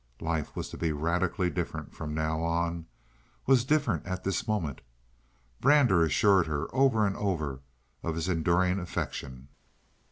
Life was to be radically different from now on—was different at this moment. Brander assured her over and over of his enduring affection.